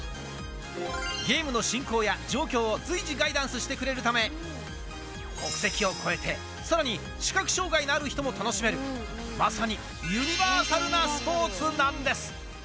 ゲームの進行や状況を随時ガイダンスしてくれるため、国籍を超えて、さらに視覚障がいのある人も楽しめる、まさにユニバーサルなスポーツなんです。